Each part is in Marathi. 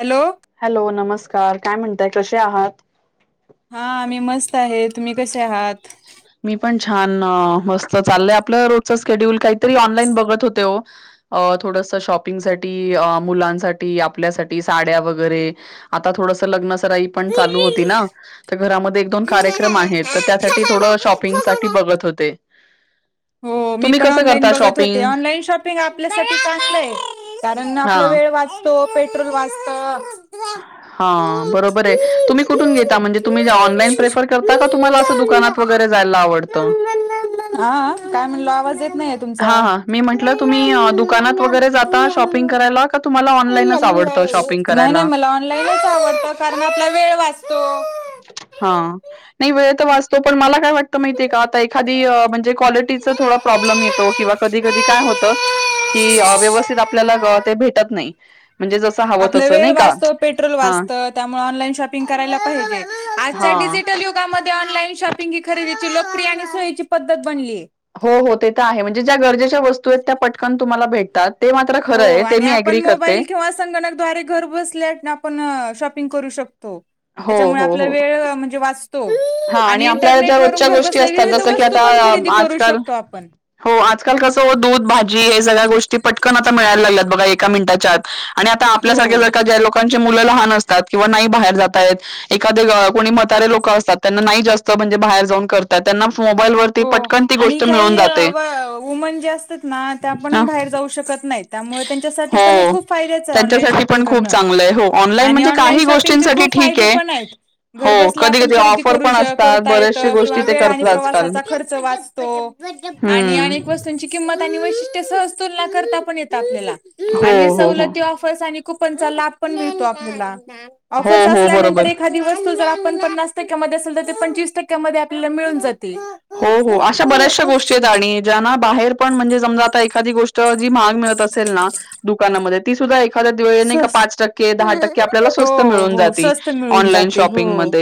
हॅलो हॅलो नमस्कार काय म्हणताय कसे आहात हा आम्ही मस्त आहे तुम्ही कसे आहात मी पण छान मस्त चालय आपलं रोजच शेड्यूल काहीतरी ऑनलाईन बघत होते हो अ थोडंस शॉपिंगसाठीठी मुलांसाठी आपल्यासाठी साड्या वगैरे आता थोडस लग्न सराई पण चालू होती ना तर घरामध्ये दो कार ्रम आहेत तर त्यासाठी थोड शॉपिंग साठी बघत होते हो मी तुम्ही पण कसं ऑनलाईन करता बघत होते शॉपिंग? ऑनलाईन शॉप आपल्या टय कारण आप हा वेळ वा तो पेट्रोल वाजता हा बरोबर आहे तुम्ही कुठून घेता म्हणजे तुम्ही ऑनलाईन प्रेफर करता का तुम्हाला असं दुकानात वगैरे जायला आवतं हा काय म्हणलो आवाज येत नाहीय तुमचा हां, हां. मी म्हटलं तुम्ही अ, दुकानात वगैरे जाता शॉपिंग का तुम्हाला ऑनलाईन नाही नाही मला ऑनलाईनच आवडत कारण आपला वेळ वाचतो हा नाही वे तर वास्त तो पण मला काय वाटतं माहितीय का आता एखादी म्हणजे क्वालिटीचा थोा प्रॉब्लेम येतो किंवा कधी कधी काय होत की व्यवस्थित आपल्याला ते भेटत नाही म्हणजे ज आपला वेळ वाचतो पेट्रोल वाचतात त्याऑ कयलाे आ हां. ड मध्ये ऑनलाईन शॉपिंग ही खरेदीची लोकरी आणि सोयीची पद्धत बनली आहे हो हो ते तर आहे म्हणजे ज्या गरजेच्या वस्तू आहेत त्या पटकन तुम्हाला भेटतात ते मात्र खरं आहे ते मी अग्री करते हास संगणक दारे घर बसल्या आपण शॉपिंग करू शकतो हो, त्याच्यामुळे हो, आपला हो. वेळ म्हणजे वाचतो हां आणि आपल्या ज्या इंटरनेट वून रोजच्या घर गोष्टी बसल्या असतात विविध जसं की वस्तू आता पण अ, खरेदी कर करू आजकाल शकतो आपण हो आजकाल कसं हो दूध भाजी हे सगळ्या गोष्टी पटकन आता मिळायला लागल्यात,, बघा एका मिनिटाच्या आतऽ आणि आता हो आपल्यासारखे, जर का ज्या लोकांचे मुलं लहान असतात,, किंवा नाही बाहेर जातऽ एखाद कोणी मतारे लोक असतात,, त्यांना नाही जास्त, म्हणजे बाहेर जाऊन करऽ हो, आणि मिळून काही जाते वुमन जे असतात नाऽ हा. त्यापण बाहेर जाऊ शकत नाहीत. त्यामुळे त्यांच्यासाठी पण हे हो खूप फायद्याच आहे,, ऑनलाईन त्यांच्यासाठी शॉपिंग पण खूप करणं,, चांगलं आहे हो ऑनलाईन आणि म्हणजे ऑनलाइन काही शॉपिंगचे गोष्टींसाठी खूपऽ ठीक फायदे आहे पण आहेत,, घर हो बसल्या कधी आपण कधी खरेदी ऑफर करू, पण असतात करता यत बऱ्याचशा गोष्टी किंवा ते वेळ आणि करतात आजकाल प्रवासातऽ खर्च वाचतो,, आणि हम्म ऽ ची किंमत आणि वैशीष्ट सहज तुलना पण करता पण एत आपल्याला,, हो आणि हो हो सवलती ऽ कूपनचा लाभ पण मिळतो आपल्याला. हो ऑफर्स हो बरोबर असल्यानंतर एखादी वस्तू जर आपण पणऽ टक्या असेल तर ते पंचवीस टक्क्या मधे आपल्याला मिळून जाते. हो, हो, अशा बऱ्याचशा गोष्टी आहेत,, आणि ज्यांना बाहेर पण म्हणजे, समजा आता एखादी गोष्टऽ महाग मिळत आसेल ना, दुऽ दुकानामध्ये,, ती सुद्धा एखाद्या वेळे नाही का स्वस पाच टक्के, दहा टक्के आपल्याला स्वस्त मिळून जाते. मिळुन जाते,,, हो,,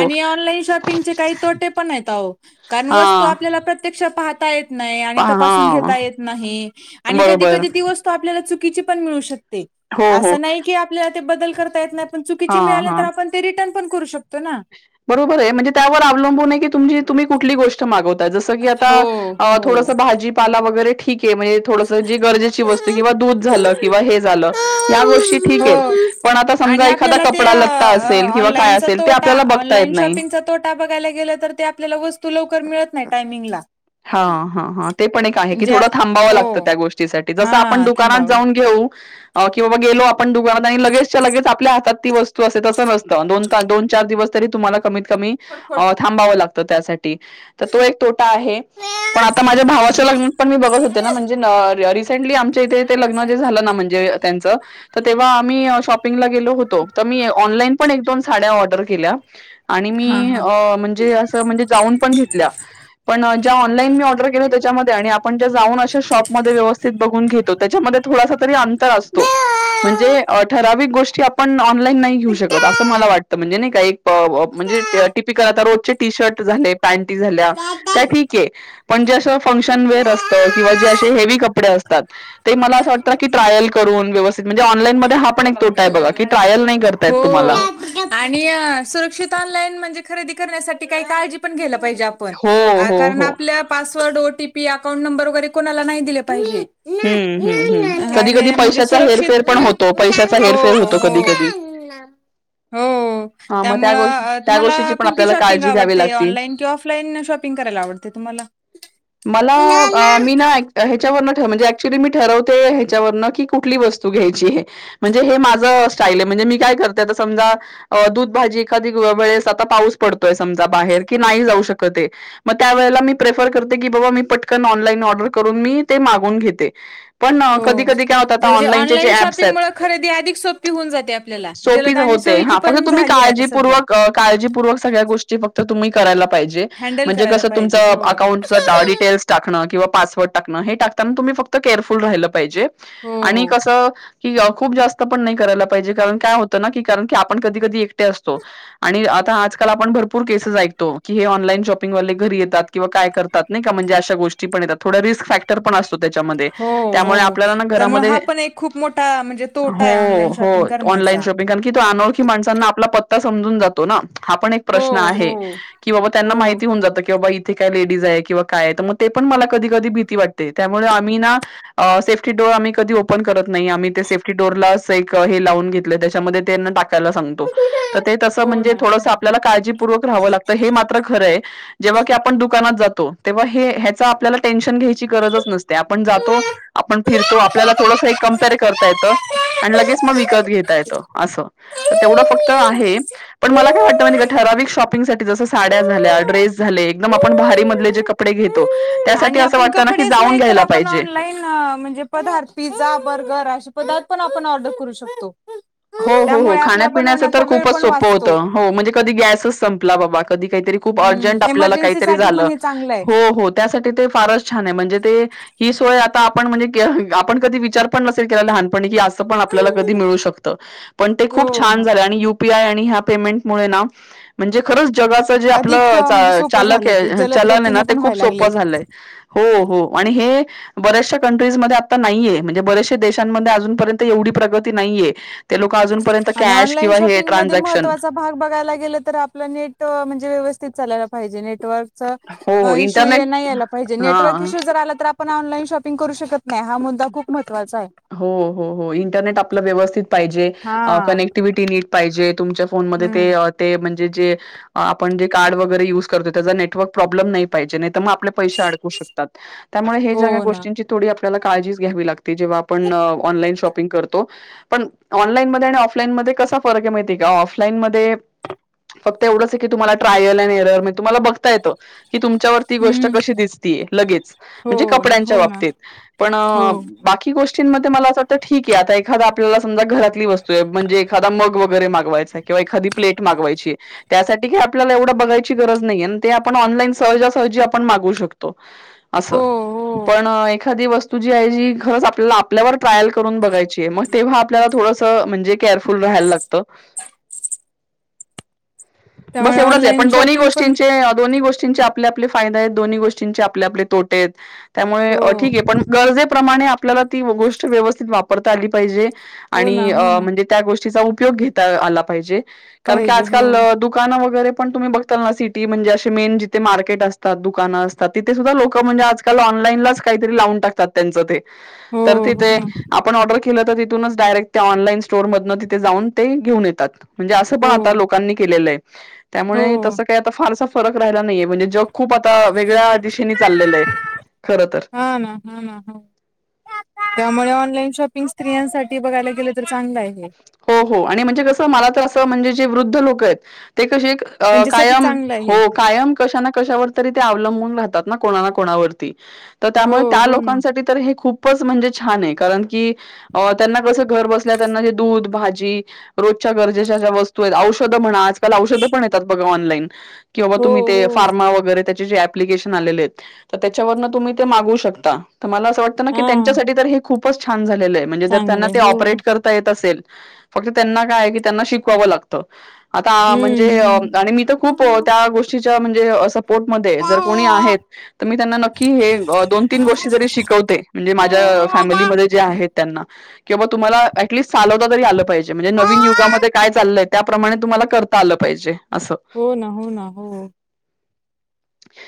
हो. ऑनलाईन शॉपिंग चेऽ काही तोटे पण आहेत अहो,, कारण वस्तू हां. आपल्याला प्रत्यक्ष पाहता एऽ आणि तपासुन हां. घेता येत नाही,, आणि कधी बरोबर. कधी वतऽ आपल्याला चुकीची पण मिळू शकते,, हो, हो. असं नाही की आपल्याला ते बदल करता येत नाहीऽ ण चुकीची हां, मिळाल्या हां. तर आपण ते रिटर्न पण करू शकतो ना. बरोबर आहे, म्हणजे त्यावर अवलंबून आहे की तुम, तुम्ही कुठली गोष्टऽ मागवताय,, जसं की हो आता हो भाजीपाला वगैरे ठीक आहे ऽ थोडस जी गरजेची वस्तू किंवा दूध झालं किंवा हे झालं,, या गोष्टी ठीक आहेतऽ हो पण आता आणि समजा एखादा आपल्याला कपडा लत्ता असेल, किंवा काय असेल ते ता आपल्याला बघता येत ऑनलाईन नाही. शॉपिंगचा तोटा बघायला गेलं तर ते, आपल्याला वस्तू लवकर मिळत नाही टायमिंगला. हा, हा, हां ते पण एक आहे, की ज्या थोडं थांबावं हो लागतं त्या गोष्टीसाठी, जसं आपण हा दुकानात थांबावल जाऊन घेऊ अ कि बाबा गेलो आपण दुकानात आणि लगेचच्या लगेच आपल्या हातात ती वस्तू असते, तसं नसतं दोन ता दोन चार दिवस तरी तुम्हाला कमीत कमी अ थांबावं लागतं त्यासाठी, तर तो एक तोटा आहे. पण आता माझ्या भावाच्या लग्नात पण मी बघत होते ना, म्हणजे अ री सेंटली आमच्या इथे ते लग्न जे झालं ना म्हणजे त्याचं, तर तेव्हा आम्ही शॉपिंग पिंगला गेलो होतो, तर मी ऑनलाईन पण एक दोन साड्या ऑर्डर केल्या. आणि हा मी हा अ म्हणजे असं म्हणजे जाऊन पण घेतल्या, पण ज्या ऑनलाईन मी ऑर्डर केलो त्याच्यामध्ये आणि आपण ज्या जाऊन अशा शॉपमध्ये व्यवस्थित बघून घेतो, त्याच्यामध्ये थोडासा तरी अं तर असतो, म्हणजे अ ठराविक गोष्टी आप पण ऑनलाईन नाही घेऊ शकत असं मला वाटतं, म्हणजे नाही का एक म्हणजे अ टिपिकल आता रोजचे टी शर्ट झाले, पॅन्टी झाल्या त्या ठीक आहे, पण जे असं फंक्शन वेअर अस किंवा जे अशे हेवी कपडे असतात, ते मला असं वाटतं कि ट्रायल करून, व्यवस्थित म्हणजे ऑनलाइन हो ना घालायला, हो, तुम्हाला. आणि अ सुरक्षित ताल नाय म्हणजे खरेदी करण्यासाठी काही काळजी पण घ्यायला पाहिजे आपण, हो, हो, कारण हो. आपल्या पासवर्ड, ओटीपी, अकाउंट नंबर, वगैरे कोणाला नाही दिले पाहिजे. हम्म, हम्म, हम् हा कधी-कधी हे म्हणजे पैशाचा हेरफेर सुरक्षित पण होतो, पैशाचा हो हेरफेर होतो कधी हो कधी. हो, हा मग त्या त्यामुळं गोष्टी अ त्या तुम्हाला गोष्टीची पण कोणती आपल्याला शॉपिंग काळजी घ्यावी आवडते, लागती ऑनलाइन किंवा ऑफ लाईननं शॉपिंग करायला आवडते तुम्हाला? मला, मी ना ह्याच्यावरन, म्हणजे ऍक्च्युली मी ठरवते ह्याच्यावरनं, की कुठली वस्तू घ्यायची हे? म्हणजे हे माझं स्टाईल आहे, म्हणजे मी काय करतेय आता समजा अ दूध, भाजी एखादी वेळेस आता पाऊस पडतोय, समजा बाहेर की नाही जाऊ शकतेय मग त्यावेेळेला मी प्रेफर करते, की बाबा मी पटकन ऑनलाईन ऑर्डर करून मी ते मागवुन घेते. पण हो कधी-कधी काय होतं, आता म्हणजे ऑनलाईनचे जे ऑनलाईन ऍप्स शॉपिंग आहेत मुळे खरेदी अधिक सोपी होऊन जाते आपल्याला, सोपी जलद आणि होते सोयीची हा फक्त पण तुम्ही झाली आहे आता सध्या. काळजीपूर्वक अ, काळजीपूर्वक सगळ्या गोष्टी फक्त तुम्ही करायला पाहिजे, हँडल मग करायला कसं पाहिजे तुमचं हो अकाऊंटच दाडी टेल्स टाकणं किंवा पासवर्ड टाकणं हे टाकताना तुम्ही फक्त केअरफुल राहिलं पाहिजे, हो आणि कसं की अ खूप जास्त पण नाही करायला पाहिजे कार काय होत ना, की कारण की आपण कधी-कधी एकटे असतो. आणि आता आजकाल आपण भरपूर केसेस ऐकतो की, हे ऑनलाईन शॉपिंगवाले घरी येतात किंवा काय करतात, नाही का म्हणजे अशा गोष्टी पण येतात, थोड्या रिस्क फॅक्टर पण तो त्याच्यामध्ये, हो हो त्यामुळं आपल्याला ना त्यामुळे घरामध्ये, हा पण एक खूप मोठा म्हणजे तोटा हो आहे ऑनलाईन हो शॉपिंग ऑनलाईन करण्याचा शॉ कारण की तो अनोळखी माणसांना आपला पत्ता समजून जात तो ना, हा पण एक हो प्रश्न आहे, हो कि बाबा त्यांना हो माहिती होऊन जात की बाबा इ ते काय लेडीज आहे किंवा काय आहे, तर मग ते पण मला कधी कधी भीती वाटते, त्यामुळे आम्ही ना अ सेफ्टी डोअर आम्ही कधी ओपन करत नाही, आम्ही ते सेफ्टी डोरला असं एक हे लावून घेतलंय त्याच्यामध्ये त्यांना टाकायला सांगतो, तर ते तसं हो म्हणजे ना हो थोडंस आपल्याला काळजी पूर्वक रहावं लागतं हे मात्र खरं आहे. जेव्हा की आपण दुकानात जातो, तेव्हा हे ह्याचा आपल्याला टेन्शन घ्यायची गरजच नसते. आपण जातो आपण फिरतो, आपल्याला थोडंस एक कमपेअर करता येतं, आणि लगेच मग विकत घेत ता येतं असं, तर तेवढं फक्त आहे पण मला काय वाटतं माहिती का, ठराविक ना शॉपिंग साठी जसं साड्या झाल्या, ड्रेस झाले एकदम आपण भारीमधले जे क पडे घेतो, त्यासाठी आणि असं वाटतं ना की जाऊन घ्यायला पाहिजे. हा, म्हणजे पदार्थ पिझ्झा, बर्गर असे पदार्थ पण आपण ऑर्डर करू शकतो. हो हो हो, त्यामुळे आपला खाण्यापिण्याचं बनवण्याचा तर वेळ खूपच पण सोपं वाचतो होतं, हो म्हणजे कधी गॅसच संपला बाबा कधी काहीतरी खूप हम्म अर्जंट आपल्याला एमर्जन्सी काहीतरी साठी पण झालं, हे चांगलं आहे हो हो त्यासाठी ते फारच छान आहे. म्हणजे ते ही सोय आता आपण म्हणजे, आपण कधी विचार पण नसेल केला, लहानपणी की असं पण आपल्याला कधी मिळू शक त, पण ते खूप हो छान ना झालंय आणि युपीआय आणी ह्या पेमेंटमुळे ना, म्हणजे खरच जगाच जे अधिक आपलं म्हणजे सोपं चालक झालंय ते आहे जलद चलन आहे गतीने ना ते पण खूप व्हायला लागले सोपं झालंय. हो हो आणि हे. बर्याचशा कंट्रीजमध्ये आता नाहीये म्हणजे बरेचश देशांमध्ये अजूनपर्यंत एवढी प्रगती नाहीय. आणि ऑनलाईन शॉपिंग मध्ये ट्रान्झॅक्शन महत्वाचा भाग बघायला गेलं तर आपलं नेट म्हणजे व्यवस्थित चालायला पाहिजे नेटवर्क हो, इशू इंटरनेट नाही यायला पाहिजे नेटवर्क हां. इशू जर आला तर आपण ऑनलाईन शॉपिंग करू शकत नाही हा मुद्दा खूप महत्वाचा आहे. हो हो हो इंटरनेट आपलं व्यवस्थित पाहिजे हा. कनेक्टिव्हटी नीट पाहिजे तुमच्या फोन मध्ये ते हम्म ते म्हणे जे आपण जे कार्ड वगैरे युज करतो त्याचा नेटवर्क प्रॉब्लेम नाही पाजे नाही म आपल्या पैसे अडकु शकतात त्यामुळे हेजेया हो ना गोष्टीची आपल्याला काळजी घ्यावी लागती जेव्हा. पण ऑनलाईन शॉपिंग करतो. पण ऑनलाईनमध्ये आणि ऑफलाईनमध्ये कसा फरक आहे माहिती आहे का ऑफलाईनमध्ये फक्त एवढंच आहे कि तुम्हाला ट्रायल अँड एरल तुम्हाला बघता येत. कि तुमच्यावरती गोष्ट हम्म कशी दिसतीय लगेच म्हणजे हो ना कपड्यांच्या हो ना बाबतीत पण हो बाकी गोष्ट मला असं वाटतं ठीक आहे आता एखादा आपल्याला समजा घरातली वस्तू म्हजे एखादा मग वगैर मागवायचां किंवा एखादी प्लेट मागवायची त्यासाठी आपल्याला एवढं बघायची गरज नाहीे आणि ते आपण ऑनलाईन सहजासहजी आपण मागू शकतो. ह [inaudible] असं पण एखादी वस्तू जी आहे जी खरंच आपल्याला आपल्यावर ट्रायल करून बघायची मग तेव्हा आपल्याला थोडस म्हणजे केअरफुल राहायला लागत. बस त्यामुळे एवढंच आहे ऑनलाईन पण दोन्ही शॉपिंग पण गोष्टींचे दोन्ही गोष्टींचे आपले, आपले फायदे आहेत दोन्ही गोष्टींचे आपले, आपले तोटे आहेत हो त्यामुळे ठीक आहे पण गरजेप्रमाणे ती गोष्ट व्यवस्थित वापरता आली पाहिजे हो ना आणि हो ना म्हणजे त्या गोष्टीचा उपयोग घेता आला पाहिजे कारण कि पाहिजे आज हो काल दुकान वैरे पण तुम्ही बघता ना सिटी म्हणजे जिथे मार्केट असत दुकानं असात. तिथे सुद्धा लोक म्हणजे आजकाल ऑनलाईनलाच काहीतरी लावून टाकतात त्यांच ते हो तर हो तिथे ना आपण ऑर्डर केलं तर तिथूनच डायरेक्ट त्या ऑनलाईन स्टोर मधनं तिथे जाऊ ते घेवुन येतात. म्हणजे असं पण हो आता लोकांनी केलेलं आहे हो त्यामुळे तसं काही आता फारसा फरक राहिला नाहीये म्हणजे जग खूप आता वेगळ्या दिशेने चाललेलं आहे खर तर. हा ना हा ना ह त्यामुळे ऑनलाईन शॉपिंग स्त्रियांसाठी बघायला गेले तर चांगलं आहे हे. हो हो आणि म्हणजे कसं मला तर असं म्हणजे जे वृद्ध लोक आहेत ते कसे एक अ त्यांच्यासाठी कायम चांगलं आहे हे. होक कायम कशा ना कशावर तरी ते अवलंबून राहतात ना कोणा ना कोणावरती. तर हो त्यामुळे त्या हो ना. लोकांसाठी तर हे खूपच म्हणजे छान आहे कारण की त्यांना कस घर बसल्या त्यांना दूध, भाजी रोजच्या गरजेच्या वस्तू आहेत औषधं म्हणा आजकाल औषधं पण येतात बघा ऑनलाईन किंवा हो तुम्ही हो ते फार्मा वगैरे त्याच्या तुम्ही ते मागू शकता. मला असं वाटतं ना की हा त्यांच्यासाठी हे खूपच छान झालेलं आहे म्हणजे जर त्यांना चांगलंय ते हो ऑपरेट कर फक्त त्यांना काय कि त्यांना शिकवावं लागत आता हम्म म्हणजे हम्म. आणि मी तर खूप त्या गोष्टीच्या म्हणजे सपोर्टमध्ये जर कोणी आहेत. तर मी त्यांना नक्की हे दोन, तीन गोष्टी जरी शिकवते म्हणजे माझ्या फॅमिलीमध्ये जे आहेत त्यांना. किंवा तुम्हाला लीस्ट चालोता तरी आलं पाहीजे नवीन युगामध्ये काय चाललंय त्याप्रमाणे तुम्हाला करता आलं पाहिजे असं. हो ना हो ना हो.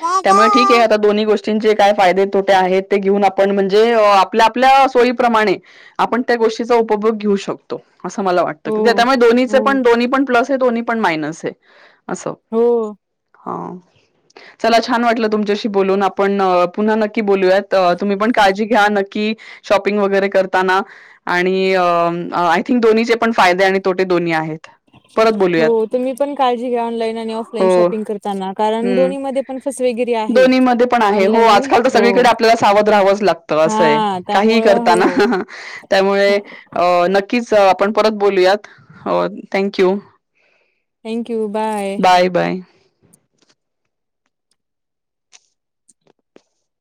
हो त्यामुळे ठीक आहे आता दोन्ही गोष्टी काय फायदे तोटे आहेत ते घेऊन आपण म्हणजे आपल्या आपल्या सोयीप्रमाणे आपण त्या गोष्टीचा उपभोग घेऊ शकतो असं मला वाटतं. क हो त्यामुळे दोनहीचे पण दोनही पण प्लस आहे दोन्ही पण मायनस आहे. असस हो. हा. चला छान वाटलं तुमच्याशी बोलून आपण पुन्हा नक्की बोलूयात तुम्ही पण काळजी घ्या न. कि शॉपिंग वगैरे करताना आणि आय थिंक दोन्हीचे पण फायदे आणि तोटे दोन्ही आहेत. परत बोलूयात हो तुम्ही पण काळजी घ्या ऑनलाईन आणि ऑफलाईन हो शॉपिंग करताना कारण हम्म दोन्ही म दोन्ही मध्ये पण आहे. हो आणि आजकाल तर हो सगळीकडे आपल्याला सावध राहावंच लागतं. हा असं आहे काही त्यामुळं हो करताना त्यामुळे अ नक्कीच आपण परत बोलूयात thank you. Thank you bye. Bye bye.